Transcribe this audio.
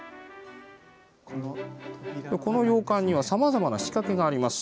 この洋館にはさまざまな仕掛けがあります。